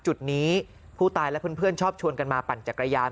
จุดนี้ผู้ตายและเพื่อนชอบชวนกันมาปั่นจักรยาน